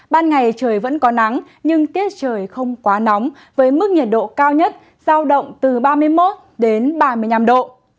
ban ngày trời vẫn có nắng nhưng tiết trời không quá nóng với mức nhiệt độ cao nhất giao động từ ba mươi một ba mươi năm độ